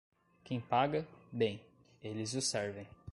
Quem paga, bem, eles o servem.